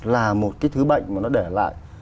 là một cái thứ bệnh mà nó để lại